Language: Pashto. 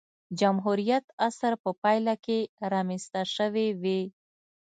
جمهوریت عصر په پایله کې رامنځته شوې وې.